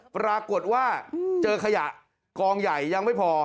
ปรากฏว่าเจอขยะกองใหญ่ยังไม่พอ